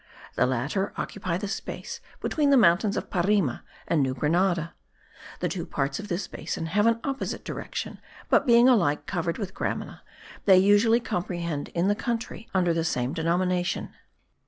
The latter occupy the space between the mountains of Parime and New Grenada. The two parts of this basin have an opposite direction; but being alike covered with gramina, they are usually comprehended in the country under the same denomination.